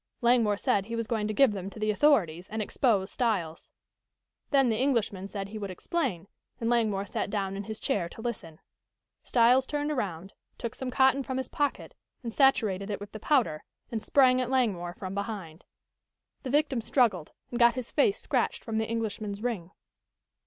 Langmore said he was going to give them to the authorities, and expose Styles. Then the Englishman said he would explain, and Langmore sat down in his chair to listen. Styles turned around, took some cotton from his pocket, and saturated it with the powder, and sprang at Langmore from behind. The victim struggled and got his face scratched from the Englishman's ring.